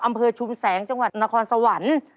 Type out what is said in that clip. อำเภอชุมแสงจังหวัดนครสวรรค์